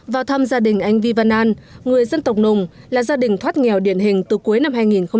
vào thăm gia đình anh vi văn an người dân tộc nùng là gia đình thoát nghèo điển hình từ cuối năm hai nghìn một mươi tám